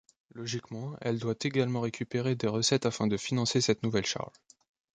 Logiquement, elle doit également récupérer des recettes afin de financer cette nouvelle charge.